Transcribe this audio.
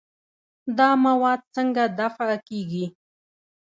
دا مواد څنګه دفع کېږي؟